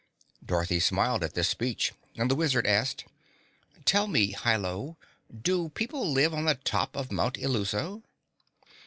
Dorothy smiled at this speech, and the Wizard asked, "Tell me, Hi Lo, do people live on the top of Mount Illuso?"